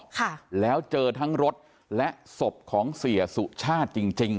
ค่ะแล้วเจอทั้งรถและศพของเสียสุชาติจริงจริง